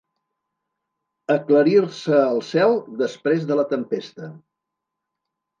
Aclarir-se el cel després de la tempesta.